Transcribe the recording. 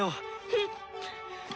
うん！